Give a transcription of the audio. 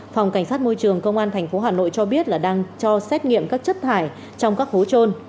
phòng cảnh sát môi trường công an tp hà nội cho biết là đang cho xét nghiệm các chất thải trong các hố trôn